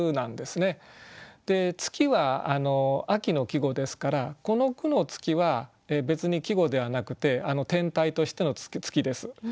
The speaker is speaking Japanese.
「月」は秋の季語ですからこの句の「月」は別に季語ではなくて天体としての月です。